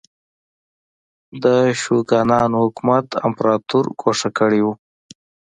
د شوګانانو حکومت امپراتور ګوښه کړی و.